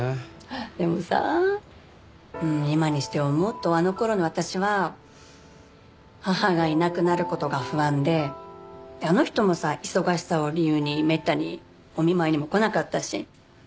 でもさ今にして思うとあの頃の私は母がいなくなる事が不安であの人もさ忙しさを理由にめったにお見舞いにも来なかったし。